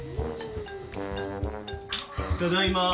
ただいま。